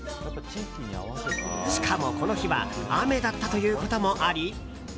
しかも、この日は雨だったということもあり。